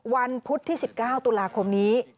พุธที่๑๙ตุลาคมนี้